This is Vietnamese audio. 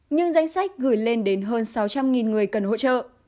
nhưng danh sách gửi lên đến hơn sáu trăm linh người cần hỗ trợ